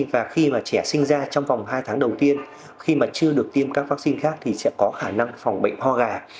và khi mà trẻ sinh ra trong vòng hai tháng đầu tiên khi mà chưa được tiêm các vaccine khác thì sẽ có khả năng phòng bệnh ho gà